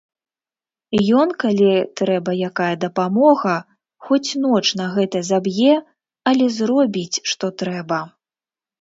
Ён, калі трэба якая дапамога, хоць ноч на гэта заб'е, але зробіць, што трэба.